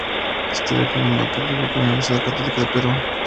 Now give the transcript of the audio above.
Estudió Economía en la Pontificia Universidad Católica del Perú.